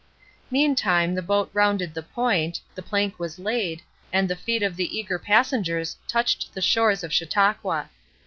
Meantime the boat rounded the point, the plank was laid, and the feet of the eager passengers touched the shores of Chautauqua.